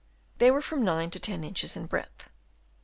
They were from 9 to 10 inches in breadth.